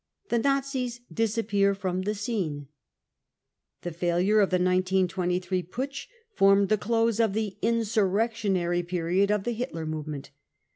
The Nazis disappear from the scene. The failure of the 1923 putsch formed the close of the 44 insurrectionary 53 period of the Hitler movement.